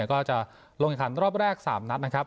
ก็จะลงแข่งขันรอบแรก๓นัดนะครับ